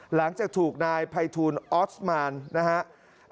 หลังจากถูกนายภัยทูลออสมานนะครับ